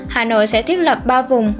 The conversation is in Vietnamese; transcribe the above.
hà nội sẽ thiết lập ba vùng